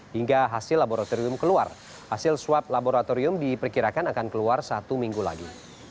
hingga hasil laboratorium keluar hasil swab laboratorium diperkirakan akan keluar satu minggu lagi